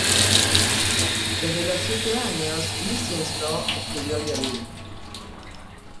Desde los siete años Mieczysław estudió el violín.